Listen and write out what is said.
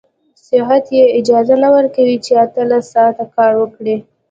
صحت يې اجازه نه ورکوي چې اتلس ساعته کار وکړي.